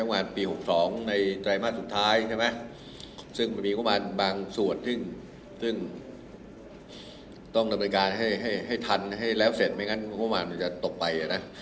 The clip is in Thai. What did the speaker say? ไม่งั้นโครงพยาบาลมันจะตกไป